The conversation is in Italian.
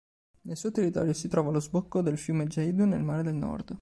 Nel suo territorio si trova lo sbocco del fiume Jade nel Mare del Nord.